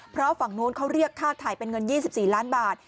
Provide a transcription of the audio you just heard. เพราะฝั่งนู้นเขาเรียกค่าถ่ายเป็นเงิน๒๔ล้านบาท